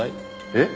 えっ？